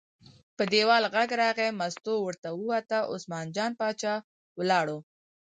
په دیوال غږ راغی، مستو ور ووته، عثمان جان باچا ولاړ و.